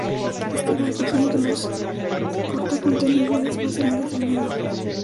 Este barco es uno de los portacontenedores más grandes del mundo.